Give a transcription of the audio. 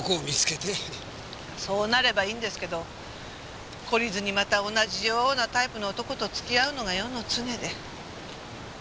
そうなればいいんですけど懲りずにまた同じようなタイプの男と付き合うのが世の常で。